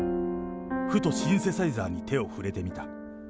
ふとシンセサイザーに手を触れてみた。